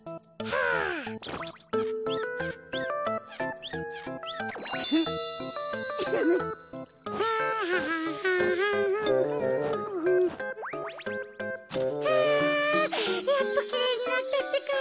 はあやっときれいになったってか。